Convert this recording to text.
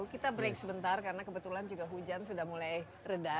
kita break sebentar karena kebetulan juga hujan sudah mulai reda